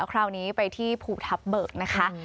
คราวนี้ไปที่ภูทับเบิกนะคะ